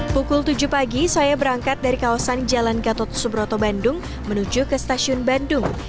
pukul tujuh pagi saya berangkat dari kawasan jalan gatot subroto bandung menuju ke stasiun bandung